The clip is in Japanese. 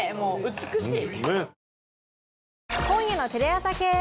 美しい。